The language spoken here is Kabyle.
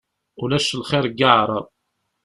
Ulac lxir deg Waɛrab.